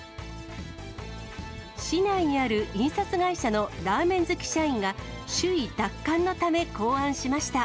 市内にある印刷会社のラーメン好き社員が首位奪還のため考案しました。